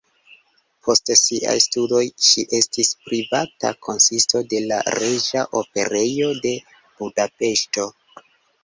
Post siaj studoj ŝi estis privata kantisto de la Reĝa Operejo de Budapeŝto.